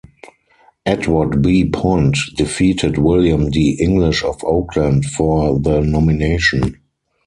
Edward B. Pond defeated William D. English of Oakland for the nomination.